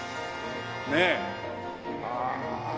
ねえ。はあ。